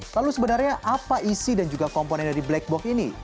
lalu sebenarnya apa isi dan juga komponen dari black box ini